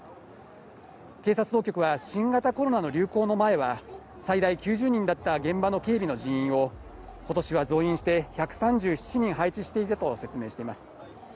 警察当局は、新型コロナの流行の前は、最大９０人だった現場の警備の人員をことしは増員して１３７人配置していたと説明しています。